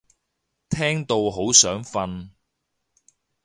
聽到好想瞓